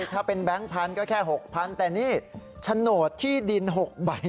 ถ้าเป็นแบงค์พันธุ์ก็แค่๖๐๐๐แต่นี่โฉนดที่ดิน๖ใบ